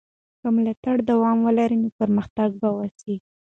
که ملاتړ دوام ولري نو پرمختګ به وسي.